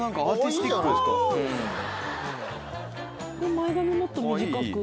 前髪もっと短く。